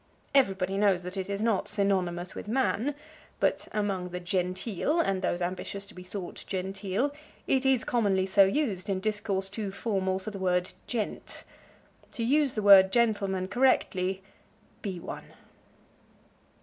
Everybody knows that it is not synonymous with man, but among the "genteel" and those ambitious to be thought "genteel" it is commonly so used in discourse too formal for the word "gent." To use the word gentleman correctly, be one.